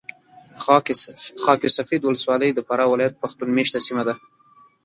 خاک سفید ولسوالي د فراه ولایت پښتون مېشته سیمه ده .